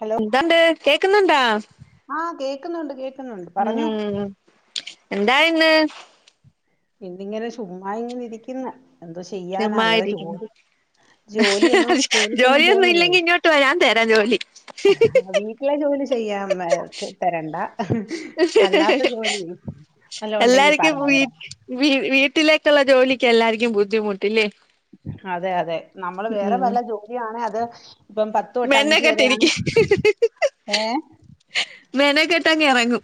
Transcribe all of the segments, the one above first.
Hello എന്തണ്ട് കേക്കുന്നുണ്ടാ? ആഹ് കേക്കുന്നുണ്ട്. കേ ഉം എന്തായിന്ന്? ഇന്നിങ്ങനെ ചുമ്മാ ഇങ്ങനെ ഇരിക്കുന്ന് എന്തോ ചെ യ്യാനാ വേറെ ചുമ്മായിരിക്കുന്നു ജോലി ജോലിയൊന്നും ജോലിക്കൊന്നും പോവാനില്ലാലോ. ഇട്ട് വാ. ഞാൻ തരാം ജോലി. ആഹ് വീട്ടിലെ ജോലി ചെയ്യാം. മേ ച് തരണ്ട. അല്ലാത്ത ജോലി വല്ലോം ഉണ്ടെങ്കി പറ. എല്ലാർക്കും വീ വരാം. വീ വീട്ടിലേക്കുള്ള ജോലിക്ക് എല്ലാരുക്കും ബുദ്ധിമുട്ട് ഇല്ലേ. അതെ അതെ. നമ്മള് വേറെ വല്ല ജോലിയണെ അത് ഇപ്പം പത്ത് തൊട്ട് അഞ്ചു വരെയാണ് മെനക്കെട്ടിരിക്കും ഏഹ് മെനക്കെട്ടങ്ങെറങ്ങും.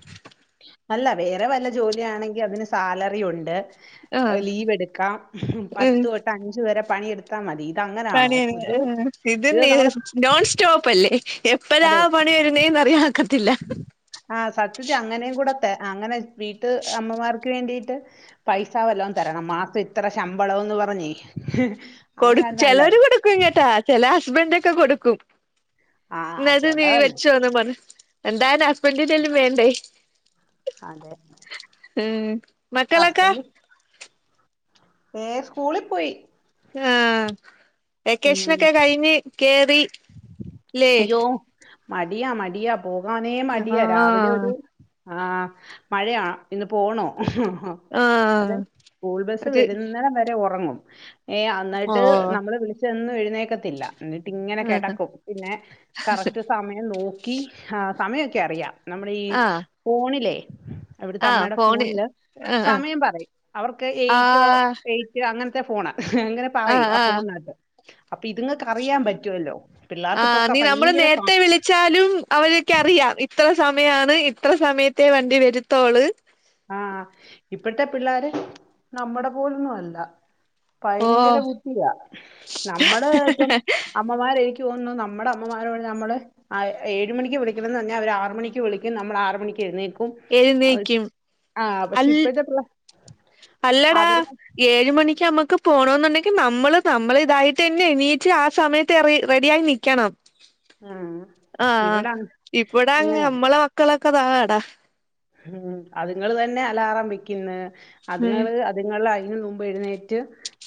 അല്ല വേറെ വെല്ല ജോലിയാണെങ്കിൽ അതിന് സാലറി ഉണ്ട്. ആഹ് ലീവ് എടുക്കാം. ഉം പത്ത് തൊട്ട് അഞ്ചു വരെ പണിയെടു ത്താ മതി ഇതങ്ങനെയാണോ. പണിയാണ് ഇത് ആഹ് ഇത് നമ്മള് നോൺ സ്റ്റോപ്പ് അല്ലേ. എപ്പഴാ അതെ പണി വരുന്നേന്ന് അറിയാനൊക്കത്തില്ല. ആഹ് സത്യത്തി അങ്ങനെയും കൂടെത്തെ അങ്ങനെ വീട്ട് അമ്മമാർ ക്ക് വേണ്ടീട്ട് പൈസ വല്ലതും തരണം. മാസം ഇത്ര ശമ്പളംന്ന് പറഞ്ഞേ. കൊടു അങ്ങനായിരുന്ന ചിലര് നല്ലായിരുന്നു കൊടുക്കും കേട്ടാ. ചില ഹസ്ബൻഡ് ഒക്കെ കൊടുക്കും. ആഹ് ഇന്നാ ഇത് നീ ചെലവല്ലേ വെച്ചോന്ന് പറഞ്ഞ്. എന്തായാലും ഹസ്ബൻ്റിൻ്റേലും വേണ്ടേ. അതെ. ഏഹ് മക്കളൊക്കെ. ഹസ്ബൻഡ് ഏഹ് സ്കൂളിൽ പോയി. ആഹ് ഉം വെക്കേഷനൊക്കെ കഴിഞ്ഞ് കേറി ല്ലേ. അയ്യോ മടിയാ മടിയാ പോകാനേ മടിയാ. രാവിലെ ഒരു ആഹ് ആഹ് മഴയാ. ഇന്ന് പോണോ? അത് ആഹ് സ്കൂൾ ബസ്സ് അത് വരുന്നടംവരെ ഉറങ്ങും. ഏഹ് അന്നട്ട് ഓഹ് നമ്മള് വിളി ന്നും എഴുന്നേക്കത്തില്ല എന്നിട്ട് ഇങ്ങനെ ആഹ് കിടക്കും പിന്നെ കറക്റ്റ് സമയം നോക് ഈ സമയമൊക്കെ അറിയാം നമ്മുടെ ഈ ആഹ് ഫോണിലെ അവിടുത്തെ ആഹ് അമ്മയുടെ ഫോണ് ഫോണില് ആഹ് ആഹ് സമയം പറയും അവർക്ക് എയ്റ്റോ ആഹ് എയ് അങ്ങനത്തെ ഫോണാ അങ്ങനെ പറയും ആഹ് ആഹ ആഹ് ഫോണിനകത്ത് അപ്പൊ ഇത്ങ് അറിയാൻ പറ്റുമല്ലോ പിള്ളേർക്ക് ഇപ്പൊക്കെ ഭയങ്കര പ ച്ചാലും അവരൊക്കെ അറിയാം ഇത്ര സമയാണ് ഇത്ര സമയത്തെ വണ്ടി വരുത്തോള് ആഹ് ഇപ്പഴത്തെ പിള്ളോര് നമ്മടെ പോലൊന്ന് അല്ല ഭയങ്കര ഓഹ് ബുദ്ധിയാ നമ്മടെ ഇതും അമ്മമാര് എനിക്ക് തോന്നുന്നു നമ്മുടെ അമ്മമാരോട് നമ്മള് ആഹ് ഏഴ്ണിക്ക് വിളിക്കണം എന്ന് പറഞ്ഞാൽ അവര് ആറ് മണിക്ക് വിളിക്കും നമ്മൾ ആറ് മണിക്ക് എയ്ന്നേക്കും എഴുന്നേക്കും ആഹ് പക്ഷെ അൽ ഇപ്പഴത്തെ പിള്ള അല്ലടാ ഏഴ് മണിക്ക് നമ്മുക്ക് പോണോന്നുണ്ടങ്കി നമ്മള് നമ്മള് ഇതായിട്ട് തന്നെ എണീറ്റ് ആ സമ ത്തെ റെഡി റെഡിയായി നീക്കണം ആ ആഹ് ഇവിടെ ഇവിടെ അങ്ങനെ അങ്ങ് നമ്മളെ മക്കളൊക്കെ സാമട്ട ഉം അതുങ്ങൾ തന്നെ അലാറം വെക്കുന്ന ഉം അതുങ്ങള് അത്ങ്ങള് അതിനു മുമ്പ് എഴുന്നേറ്റ്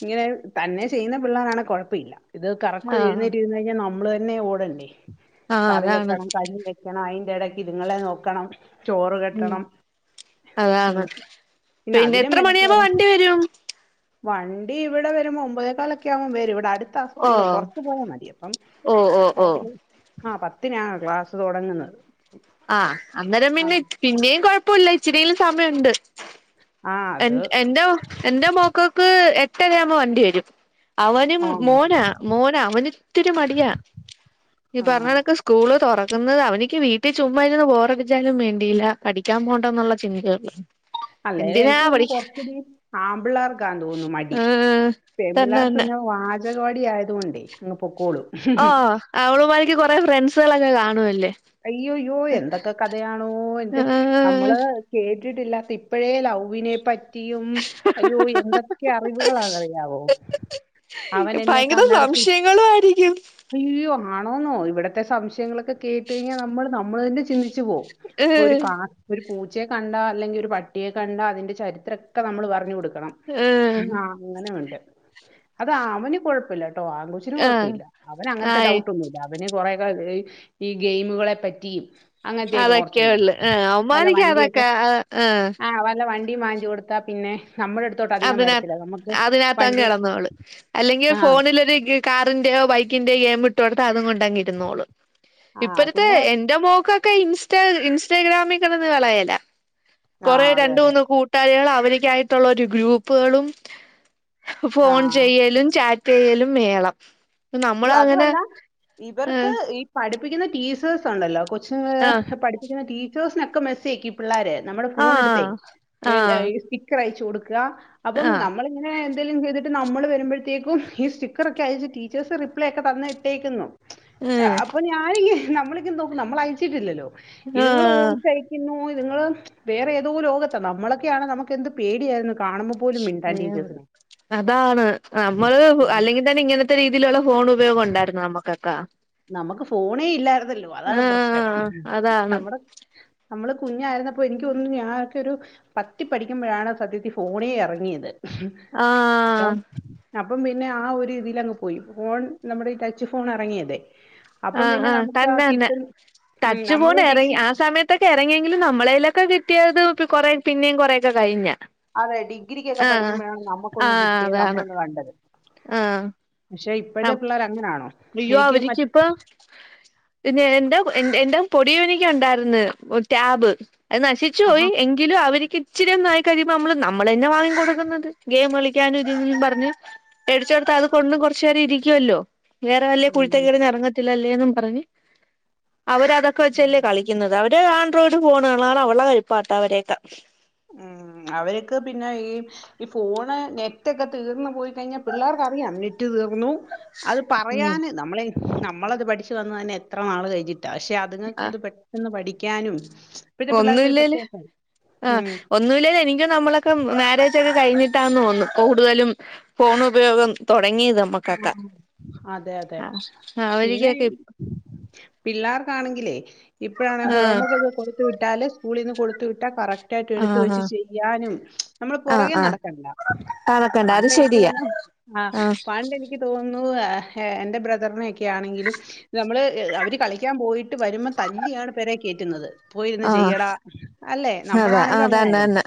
ഇങ്ങനെ തന്നെ ചെയ്യുന്ന പിള്ളേരാണെ കുഴപ്പം ഇല്ല ഇത് കറക്റ്റ് ആഹ് എഴുന്നേറ്റ് ഇരുന്ന് കഴിഞ്ഞാ നമ്മൾ തന്നെ ഓടെണ്ടെ ആഹ് കറി അതാണ് വെക്കണം കഞ്ഞി ണം അതിന്റെ ഇടയ്ക്ക് ഇതുങ്ങളെ നോക്കണം ചോറ് ഉം കെട്ടണം ഉം അതാണ് പിന്നെ അതിലും എത്ര മണിയുമ്പോ മെനക്കേടാ വണ്ടി വരും വണ്ടി ഇവിടെ വരുമ്പോൾ ഒമ്പതേക്കാലൊക്കെ ആകുമ്പം വരും ഇവിടെ അടു ത്ത സ്കൂള് ഓഹ് കൊറച്ച് പോയാമതി അപ്പം ഓഹ് ഓഹ് ഓഹ് അവർക്ക് ആ പത്തിനാ ക്ലാസ്സ് തുടങ്ങുന്നത് ആഹ് അന്നേരം പിന്നെ പിന്നേയും കുഴപ്പല്ല ഇച്ചരിയെങ്കിലും സമയം ഉണ്ട് ആ എൻ അത് എന്റെ മോ എന്റെ മോക്കോക്ക് എട്ടരയാവുമ്പോ വണ്ടി വരും അവനും ആ മോനാ മോനാ അവനിത്തിരി മടിയാ ഈ ആ പറഞ്ഞ കണക്ക് സ്കൂള് തുറക്കുന്നത് അവനിക്ക് വീ ട്ടി ചുമ്മായിരുന്നു ബോറടിച്ചാലും വേണ്ടില്ല പഠിക്കൻ പോണ്ട എന്നുള്ള ചിന്തയുള്ളൂ അന്നേരം എന്തിനാ എനിക്ക് തോന്നുന്നു പഠിക്ക കൊറച്ചൂടി ആമ്പിള്ളേർക്കാന്ന് തോന്നുന്നു മടി ഏഹ് പെൺ തന്നെ പിള്ളേർക്ക് തന്നെ പിന്നെ വാചകവാടി ആയത് കൊണ്ടേ അങ്ങ് പൊക്കോളും ഓ അവളുമാരിക്ക് കൊറെ ഫ്രണ്ട്സുകളെല്ലെ കാണുവല്ലേ അയ്യോയ്യോ എന്തൊക്കെ കഥയാണോ എന്റെ ആഹ് നമ്മള് കേട്ടിട്ടില്ലാത്തെ ഇപ്പഴേ ലൗവിനെ പ റ്റിയും അയ്യോ എന്തൊക്കെ അറിവുകളാന്നെറിയാവോ ഭയങ്കര സംശയങ്ങളും ആയിരിക്കും അയ്യോ ആണോന്നോ ഇവിടത്തെ സംശയങ്ങളൊക്കെ കേട്ട് കഴിഞ്ഞാ നമ്മള് നമ്മള് തന്നെ ചിന് ച്ചു പോകും പ്പം ഏഹ് ഒരുകാ ഒരു പൂച്ചയെ കണ്ടാ അല്ലെങ്കിൽ ഒരു പട്ടിയെ കണ്ടാ അതിന്റെ ചരിത്ര ഒക്കെ നമ്മള് പറഞ്ഞു കൊടുക്കണം ഏഹ് ആ അങ്ങനെ ഉണ്ട് അത് അവന് കൊഴപ്പമില്ല കേട്ടോ ആ കൊച്ചിന് ആഹ് കൊഴപ്പമില്ല അവന് അങ്ങനത്തെ ആയി ഡൗട്ടൊന്നുമില്ല അവന് കൊറെക്കെ ഈ ഗെയിമുകളെ പറ്റി അങ്ങനത്തെയൊക്കെ കുറച്ചെ ഉള്ളു അതൊക്കെയുള്ളു ആഹ് വല്ല അവന്മാരിക്ക് വണ്ടിയൊക്കെ അതൊക്കെ ആഹ് വ വല്ല വണ്ടിയും വാങ്ങിച്ച് കൊടുത്താ പിന്നെ നമ്മുടെ അടു അതിനത്ത് അതിനകത്ത് അങ്ങനെ കിടന്നോള് അല്ലെങ്കി ആ ഫോണിലൊരു ഗെ കാറിന്റെയോ ബൈക്കിന്റെയോ ഗെയിം ഇട്ടു കൊടുത്ത അതും കൊണ്ട് അങ്ങ് ഇരുന്നോളും ആ ഇപ്പഴത്തെ പിന്നെ എന്റെ മോക്ക് ഇപ്പോ ഇൻസ്റ്റോ ഇൻസ്റ്റഗ്രാമി കിടന്ന് വിളയലാ ആ കൊറ അതെ അതെ രണ്ടൂന്ന് കൂ ട്ട് കാരികള് അവരൊക്കായിട്ടുള്ള ഗ്രൂപ്പുകളും ആ ഫോൺ ചെയ്യലും ചാറ്റ് റ്റ് ചെയ്യലും മേളം നമ്മള അയ്യോ അങ്ങനെ അതുവല്ല ഇവർക്ക് ആഹ് ഈ പഠിപ്പിക്കുന്ന ടീച്ചേഴ്സ് ഉണ്ടല്ലോ കൊച്ചി ആഹ് ങ്ങളെ പഠിപ്പിക്കുന്ന ടീച്ചേഴ്സിനൊക്കെ മെസ്സേജ് ആയിക്കും പിള്ളാര് നമ്മള് ഫുൺ എടുത്തെ ആഹ് ആഹ് സ്റ്റിക്കർ അയച്ച് കൊടുക്ക അപ്പ ആഹ് നമ്മള് ഇങ്ങനെ എന്തേലും ചെയ്തിട്ട് നമ്മള് വരുമ്പോഴത്തേക്കും ഈ സ്റ്റിക്കർ ഒക്കെ അയച് ചിൽസ് റിപ്ലൈ ഒക്കെ തന്ന് ഇട്ടേക്കുന്നു ഉം അപ്പൊ ഞാന് ഇ നമ്മളിതിൽ നോക്കും നമ്മള് അയച്ചിട്ടില്ലല്ലോ ഇതിങ്ങള് ഓ ആഹ് പിന്നോ ഇതിങ്ങള് വേറെ ഏതോ ലോകത്ത നമ്മളൊക്കെയാണ് നമുക്ക് എന്ത് പേടിയായിരുന്നു കാണുമ്പോ അതാണ് നമ്മള് അല്ലെങ്കിൽ തന്നെ ഇങ്ങനെ ത്തെ രീതിയിലുള്ള ഫോണ് ഉപയോഗം ഉണ്ടായിരുന്നു നമുക്കൊക്ക നമുക്ക് ഫോണേ ഇല്ലായിരുന്നല്ലോ അതാണ് പ്രശ്നം ആഹ് അതാണ് നമ്മടെ നമ്മള് കുഞ്ഞായിരുന്നപ്പോ എനിക്ക് ഒരു ഞാനൊക്കെ ഒരു പത്തിൽ പഠിക്കുമ്പോഴാണ് സത്യത്തി ഫോണേ എറങ്ങിയത് ആഹ് പോം അപ്പം പിന്നെ ആ ഒരു ഇതില അങ്ങ് പോയി ഫോൺ നമ്മുടെ ഈ ടച്ച് ഫോൺ ഇറങ്ങിയതെ ആഹ്ആഹ്തന്നെ തന്നെ ഉം നമ്മള് ടച്ചുപോണ് എറങ്ങി ഡിഗ്രി ആ സമയത്ത് ഇറങ്ങിയെങ്കിലും നമ്മളേലൊക്കെ കിട്ടിയത് കൊറ പിന്നേും കുറേൊക്കെ കഴിഞ്ഞ അതെ ഡിഗ്രിക്കൊക്കെ ആഹ് പഠിക്കുമ്പോഴാണ് നമക്കൊന്ന് ആഹ് കിട്ടിയത് അതാണ് നമ്മളൊന്ന് കണ്ടത് ആഹ് പക്ഷെ ഇപ്പോഴത്തെ പിള്ളേര് അങ്ങനാണോ അയ്യോ എനിക്ക് മറ്റ അവര്‌ചിപ്പം പിന്നെ എന്റെ എന്റെ പൊടിയോയിക ണ്ടായിരുന്ന് ടാബ് അത് നശിച്ചു പോയി ആഹാ ങ്കിലും അവ ക്കിച്ചിരി നായി കഴിയുമ്പോ നമ്മള് നമ്മൾ തന്നെ വാങ്ങി കൊടുക്കുന്നത് ഗെയിം കളിക്കാനും ഇതി പറഞ്ഞ് വേടിച്ചോട്ത്തഅത് കൊണ്ട് കൊറച്ചു നേരം ഇരിക്കുവല്ലോ വേറെ വലിയ ഉം കുരുത്ത കേടിന് എറങ്ങത്തില്ലല്ലേപറഞ്ഞ് അവരതൊക്കെ വെച്ചല്ലേ കളി ഇന്ന് താ അവര് ആൻഡ്രോയിഡ് ഫോണുകള അവളടെ കഴിപ്പാട്ടംഅവരെക്കെ ഉം അവർക്ക് പിന്നെ ഈ ഈ ഫോണ് നെറ്റൊക്കെ തീർന്ന് പോയി കഴിഞ്ഞാ പിള്ളേർക്കറിയാം നെറ്റ് തീർന്നു അത് ഉം പറയാന് നമ്മളെ നമ്മളത് പഠിച്ചു വന്ന തന്നെ എത്ര നാള് കഴിഞ്ഞിട്ടാ പക്ഷെ അതുങ്ങൾക്ക് ആ അത് പെട്ടെന്ന് പഠിക്കാനും പത്തെ പിള്ളേർക്ക് ഒരു പ്രത്യാ ആഹ് ഒന്നു ലേലു എനിക്കും നമ്മളൊക്കെ മാരേജഒക്കെ കഴിഞ്ഞിട്ടാന്ന് തോന്നും കൂടുതലും ഫോണ് ഉപയോഗം തൊടങ്ങിയതും ഉം അതെ അതെ ആ പിന്നെയിം അവരിക്കൊക്കെ പിള്ളേർക്കാണെങ്കിലേ ഇപ്പഴാണ് ആ ഹോംവർക്ക്ക്കൊക്കെ കൊടുത്ത് ട്ടാല് സ്കൂളിന്ന് കൊടുത്തുവിട്ടാ കറക്റ്റ് റ്റായിട്ട് ആ എടുത്ത് വെച്ച് ചെയ്യാനും നമ്മള് ആ ആ പുറകെ ആ നടക്കണ്ട അതൊക്കെണ്ട് അത് പാണ്ടെനിക്ക് ശരിയാ തോന്നുന്നു ആഹ് ആ പണ്ടേനിക്ക് തോന്നുന്നു എൻ്റെ ബ്രദറിനെക്കെയാണെങ്കിലും നമ്മള് അവര് കളിക്കാൻ പോയിട്ട് വരുമ്പോ തല്ലിയാണ് പേരെ കേയറ്റുന്നത് പോയിര്ന്ന് ചെയ്യടാ ഹതെ അതന്നന്നെ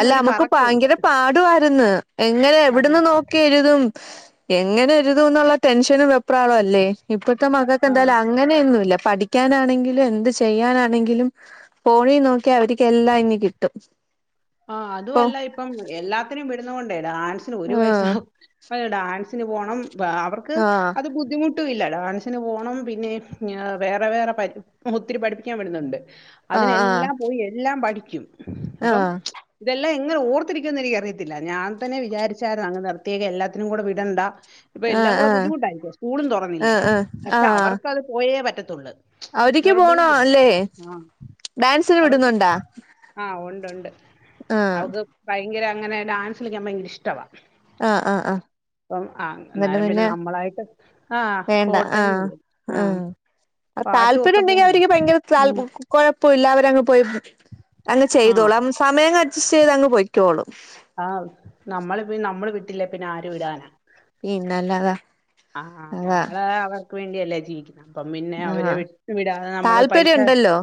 അല്ല നമ്മുക്ക് കറക്കവുണ്ട്. ഭയങ്കര പാടുവായിരുന്നു എങ്ങനെ ആ, എവിടന്ന് നോക്കി എഴുതും എങ്ങനെ എഴുതും എന്നുള്ള ടെൻഷനും വേപ്രാളം അല്ലേ ഇപ്പഴത്തെ ആ. മകക്ക്ന്തായാലും അ അങ്ങനെയൊന്നുംല്ല പഠിക്കാനാണെങ്കിലും എന്ത് ചെയ്യാനാണെങ്കിലും ഫോണി നോക്കി ക്യാ അവർക്ക് എല്ലാം ഇങ്ങ് കിട്ടും ആ അതു ഇപ്പൊ അല്ല ഇപ്പം എല്ലാത്തിനും വിടുന്ന കൊണ്ടേ ഡാൻസിന് ഒരു ആഹ് വയസാവു പഹ് ഡാൻസിന് പോണം അവർക്ക് ആഹ് അത് ബുദ്ധിമുട്ട് ട്ടുല്ല ഡാൻസിന് പോണം പിന്നെ വേറെ വേറെ പ ഒത്തിരി പഠിപ്പിക്കാൻ വിടുന്നുണ്ട് ആഹ് ആഹ് അതിനെല്ലാം പോയി എല്ലാം പഠിക്കും അപ്പം ഇതെല്ലാം ഇങ്ങനെ ഓർത്തിരിക്കുന്ന് എനിക്ക് അറിയത്തില്ല ഞാൻ തന്നെ വിചാരിച്ചായിരുന്നു അങ്ങ് നിർത്തിയേക്കെ എല്ലാത്തിനും കൂടെ വിടണ്ട ഇപ്പൊ ആഹ് എല്ലാം കൂടെ ആഹ് ബുദ്ധിമുട്ടായില്ലെ സ്കൂളും ആഹ് തുറന്നില്ലേ ആഹ് ആഹ് പക്ഷെ അവർക്കത് പോയേ പറ്റത്തുള്ള് അവരിക്ക് പോണോ അല്ലേ ഡാൻസിന് വിടുന്നുണ്ടാ ആഹ്ഉണ്ട് ഉണ്ട് ആഹ് അവക്ക് ഭയങ്കര അങ്ങനെ ഡാൻസലിക്കാൻ ഭയങ്കര ഇഷ്ടവാ ആഹ് ആഹ് ആഹ് അപ്പം ആ അന്നേരം പിന്നെ നമ്മളായിട്ട് ആഹ വേണ്ട ആഹ് പോട്ടന്ന ആഹ ആഹ് താല്പര്യം ഉണ്ടെങ്കി അവർക്ക് ഭയങ്കര ഉം. ത കുഴപ്പ ഇില്ല അവരങ്ങ് പോയി അങ്ങ് ആ ചെയ്തോളൂ സമയം അഡ്ജസ്റ്റ് ചെയ്ത് അങ്ങ് പൊയ്ക്കോളും ആഹ് നമ്മള് നമ്മള് വിട്ടില്ലേ പിന്നെ ആരും വിടാനാ പിന്നെല്ലാതാ ആഹ നമ്മള് അവർക്ക് വേണ്ടിയല്ലേ ജീവിക്കുന്നു ആഹ പൈസ താല്പര്യംണ്ടല്ലോ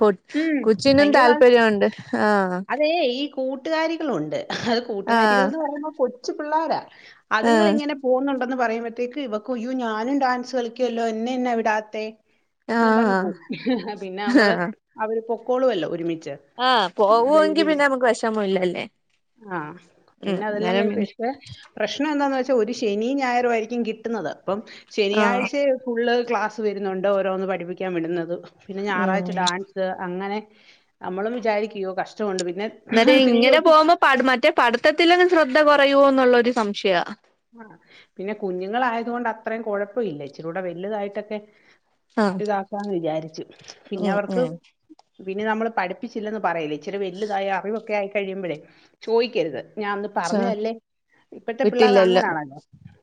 കൊ ഉം കൊച്ചിനും ഭയങ്കര താൽ താല്പര്യമുണ്ട് ആഹ് അതേ ഈ കൂട്ടുകാരികളുണ്ട് അത് കൂട്ടുകാരികൾ ആഹ് എന്ന് പറയുമ്പോൾ കൊച്ചു പിള്ളോര ആഹ് അതുങ്ങളിങ്ങനെ പോണുണ്ട് - ഉണ്ടെന്ന് പറയുമ്പോഴത്തേക്ക് ഇവക്ക് അയ്യോ ഞാനും ഡാൻസ് കളിക്കുവല്ലോ എന്നെ എന്നാ വിടാത്തെ എന്ന് ആഹ് പറഞ്ഞു പോകും പിന്നെ നമ്മള് ആഹ് അവര് പൊക്കോളുവല്ലോ ഒരുമിച്ച് ആഹ് നല്ല പോവുവെങ്കി രീതി പിന്നെ നമുക്ക് വിഷമമില്ല അല്ലേ ആഹ് ഉം പിന്നെ അതെല്ലാം കഴി അന്നെരം- പക്ഷെ പ്രശ്നം എന്താന്ന് വെച്ചാ ഒരു ശനി ഞായറും ആയിരിക്കും കിട്ടുന്നത് അപ്പം ആഹ് ശനിയാഴ്ച- ഫുള്ള് ക്ലാസ് വരുന്നുണ്ട് ഓരോന്ന് പഠിപ്പിക്കാൻ വിടുന്നത് പിന്നെ ഞായറാഴ്ച ഉം ഡാൻസ് അങ്ങനെ നമ്മളും വിചാരിക്കും അയ്യോ കൊണ്ട് പിന്നെ അന്നേരം തിങ്കള് ഇങ്ങനെ തൊട്ട്- പോകുമ്പോ മറ്റേ പഠിത്തത്തില് ശ്രദ്ധ കൊറയുവോന്നുള്ള ഒരു സംശയവ ആഹ് പിന്നെ കുഞ്ഞുങ്ങളായതു കൊണ്ട് അത്രയും കൊഴപ്പവില്ല ഇച്ചിരുടെ വലുതായിട്ടൊക്കെ- ആഹ് ഇതാക്കാന്ന് വിചാരിച്ചു പിന്നെ ഉം അവർക്ക്- ഉം പിന്നെ നമ്മള് പഠിപ്പിച്ചില്ലന്ന് പറയല്ല് ഇച്ചിരി വലുതായ അറിവൊക്കെ ആയി കഴിയുമ്പോഴേ ചോദിക്കരുത് ഞാൻ അന്ന് ച്ചാ പറഞ്ഞതല്ലേ ഇപ്പഴത്തെ പിള്ളേ- വിട്ടില്ലല്ലോ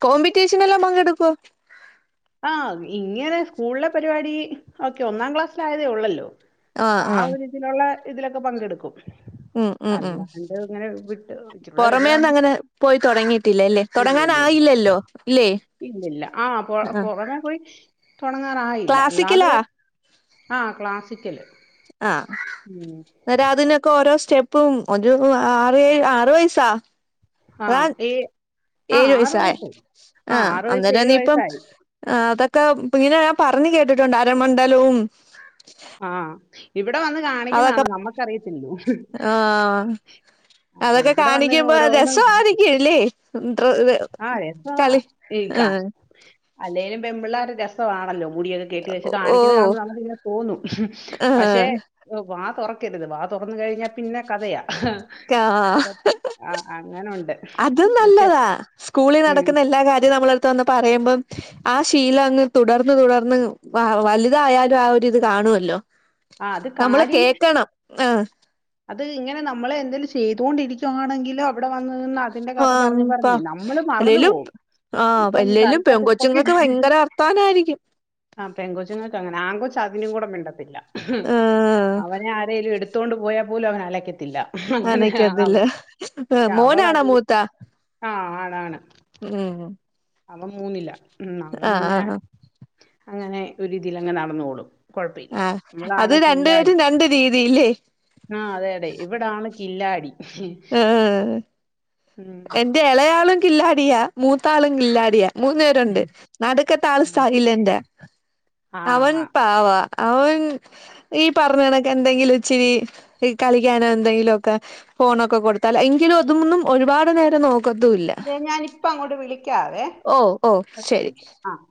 കോമ്പറ്റീഷനെല്ലാം പങ്കെടുക്കുവോ ആഹ് ഇങ്ങനെ സ്കൂളിലെ പരിപാടി ഓക്കെ ഒന്നാം ക്ലാസ്സിലായതേ ഉള്ളല്ലോ ആഹ് ആ ആഹ് ഒരു ഇതിലുള്ള ഇതിലൊക്കെ പങ്കെടുക്കും ഉം ഉം ഉം അല്ലാണ്ട് ഇങ്ങനെ വിട്ട് ഇച്ചിരൂടെ പൊറമേ ഒന്നും വലുതാകുമ്പോ അങ്ങനെ പോയി തൊടങ്ങിയിട്ടില്ലയില്ലേ തൊടങ്ങാന് ഇല്ലില്ല ഇല്ല. ആയില്ലല്ലോയില്ലേ ഇല്ലില്ല ആഹ് അ അപ്പോ- പൊറമെ പോയി തൊടങ്ങാറായില്ല ക്ലാസിക്കലാ അല്ലാതെ ആഹ് ക്ലാസിക്കല് ആഹ് ഉം. അന്നേരം അതിനൊക്കെ ഓരോ സ്റ്റെപ്പും ഒരു ആറ് ഏഴ് ആറ് വയസാ ആ ആഹ് ഏ ആ ഏഴു വയസായോ വയസ്സായി. ആ ആഹ് വയസ്സ് അന്നേരം ഇനിയിപ്പം- വയസ്സായി. ആഹ് അതൊക്കെ ഇങ്ങനെ ഞാൻ പറഞ്ഞ് കേട്ടിട്ടുണ്ട് അരമണ്ഡലവും- ആഹ് ഇവിടെ വന്ന് അതൊക്കെ കാണിക്കുന്നതാണ് നമ്മുക്കറിയത്തില്ലൂ ആഹ് അതൊക്കെ കാണിക്കുമ്പോ രസമായിരിക്കുംയില്ലേ എ ഇ ആ രസവാ. കളി ഈ ക ആഹ [unintelligible] അല്ലേലും പെൺപിള്ളേർക്ക രസണല്ലോ മുടിയൊക്കെ കെട്ടി വച്ച് കാണിക്കുന്നത് ഓഹ് കാണുമ്പോ നമുക്ക്‌ ഇങ്ങനെ തോന്നും ആഹ് പക്ഷെ- ഓള് വാ തൊറക്കരുത് വാ തൊറന്ന് കഴിഞ്ഞാ പിന്നെ കഥയാ ആഹ് ആ, അങ്ങനുണ്ട് അതും പക്ഷെ നല്ലതാ സ്കൂളിൽ ഉം നടക്കുന്ന എല്ലാ കാര്യവും നമ്മളെ അടുത്ത് വന്ന് പറയുമ്പം- ആ ശീലം അങ്ങ് തുടർന്ന് തുടർന്ന് വലുതായാലും ആ ഒരുരിത് കാണുമല്ലോ ആ അത് നമ്മള് കാര്യം കേക്കണം ആഹ് അത് ഇങ്ങനെ നമ്മളെ എന്തേലും ചെയ്തൊണ്ടിരിക്കുകയാണെങ്കിലോ ഇവിടെ വന്ന് നിന്ന് അതിന്റെ കഥ ആഹ് പറഞ്ഞ് പ്പ പറഞ്ഞേ നമ്മള് മറന്നു അല്ലേലും പോകും ആഹ് ഇപ്പം അല്ലേലും പെൺ കറിക്കകത്ത് കൊച്ചുങ്ങൾക്ക് ഭയങ്കര വർത്താനം ആരിക്കും ആഹ് പെകൊച്ചുങ്ങൾക്ക് അങ്ങനെ ആ കൊച്ചു അതിനും കൂടെ മിണ്ടത്തില്ല ആഹ് അവന് - എന്തേലും എടുത്തോണ്ട് പോയാ പോലും അവൻ അലയ്ക്കത്തില്ല അങ്ങനെ ആ അനക്കത്തില്ല പക്ഷെ അവള് മോനാണോ അത് മൂത്ത ആഹ് ആണ് ഉം അവൻ മൂന്നില ഉം അന്ന് ആഹ് പിന്നെ ആഹ് അങ്ങനെ ഒരുരിതിലങ്ങ് നടന്നോളും കുഴപ്പമില്ല ആഹ് അത് ഇവളാണ് രണ്ടു പേരും രണ്ട് രീതിയില്- ആഹ് അതെ അതെ ഇവിടാണ് കില്ലാടി [unintelligible] ഉം എൻ്റെ എളയാളും കില്ലാടിയാ മൂത്താളും കില്ലാടിയാ മൂന്നു പേരുയുണ്ട് നടുക്കത്തെ ആള് സൈലന്റ് ആ അവൻ- ആവാ അവ [unintelligible] ൻ ഈ പറഞ്ഞേനൊക്കെ എന്തെങ്കിലും ഇച്ചിരി കളിക്കാനോ എന്തെങ്കിലൊക്കെ ഫോണൊക്കെ കൊടുത്താൽ. എങ്കിലും അതും മൊന്നും ഒരുപാട് നേരം നോക് അതെ ഞാനിപ്പങ്ങോട്ട് വിളിക്കാവെ. ഓ ഓ പത്ത് ശരി മിനിറ്റ് ആഹ്.